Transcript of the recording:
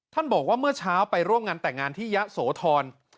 บอกว่าเมื่อเช้าไปร่วมงานแต่งงานที่ยะโสธร